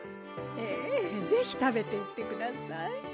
ええぜひ食べていってください